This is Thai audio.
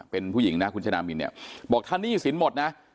เป็นผู้หญิงนะคุณชนะมิณฑ์นี้บอกท่านี่สินหมดนะ